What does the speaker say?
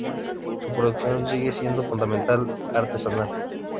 Su producción sigue siendo fundamentalmente artesanal.